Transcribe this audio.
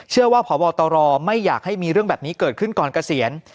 พบตรไม่อยากให้มีเรื่องแบบนี้เกิดขึ้นก่อนเกษียณ